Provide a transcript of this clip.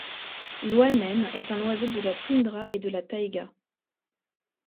L'oie naine est un oiseau de la toundra et de la taïga.